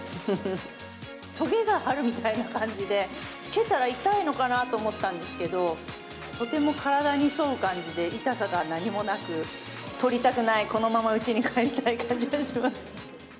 とげがあるみたいな感じで、着けたら痛いのかなと思ったんですけれども、とても体に沿う感じで、痛さが何もなく、取りたくない、このままうちに帰りたい感じがします。